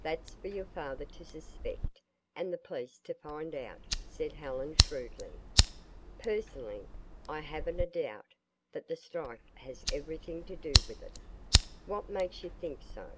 "That's for your father to suspect and the police to find out," said Helen shrewdly. "Personally, I haven't a doubt that the strike has everything to do with it." "What makes you think so?"